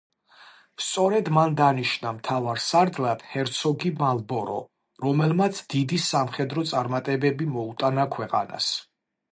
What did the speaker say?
სწორედ მან დანიშნა მთავარ სარდლად ჰერცოგი მალბორო, რომელმაც დიდი სამხედრო წარმატებები მოუტანა ქვეყანას.